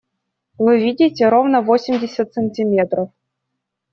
Вы видите? Ровно восемьдесят сантиметров!